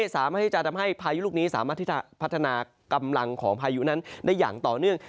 สามารถที่จะทำให้พายุลูกนี้สามารถที่จะพัฒนากำลังของพายุนั้นได้อย่างต่อเนื่อง